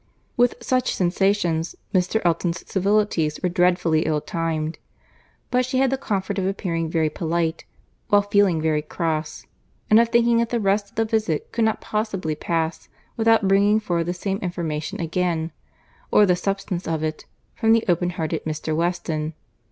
With such sensations, Mr. Elton's civilities were dreadfully ill timed; but she had the comfort of appearing very polite, while feeling very cross—and of thinking that the rest of the visit could not possibly pass without bringing forward the same information again, or the substance of it, from the open hearted Mr. Weston.